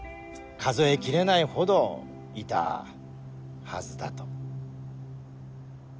数え切れないほどいたはずだと。